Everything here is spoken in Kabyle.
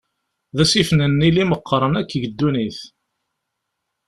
D asif n Nnil i imeqqren akk deg ddunnit.